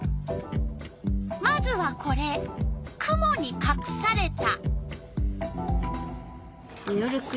まずはこれ「くもにかくされた」。